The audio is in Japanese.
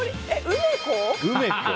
梅子？